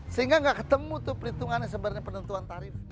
sehingga nggak ketemu tuh perhitungannya sebenarnya penentuan tarif